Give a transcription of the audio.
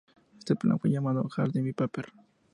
Este plan fue llamado Jardine Paper.